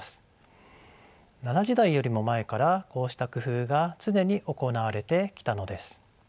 奈良時代よりも前からこうした工夫が常に行われてきたのです。